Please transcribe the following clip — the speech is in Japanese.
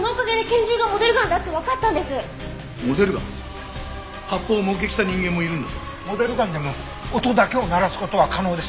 モデルガンでも音だけを鳴らす事は可能です。